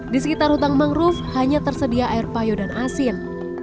di sekitar hutang mangrove hanya tersedia air payu dan asin